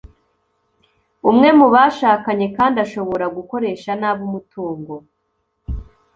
Umwe mu bashakanye kandi ashobora gukoresha nabi umutungo